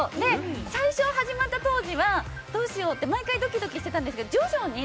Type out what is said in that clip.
最初、始まった当時はどうしようって毎回ドキドキしてたんですけど徐々に。